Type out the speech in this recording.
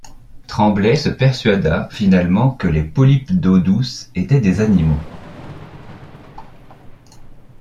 Trembley se persuada finalement que les polypes d'eau douce étaient des animaux.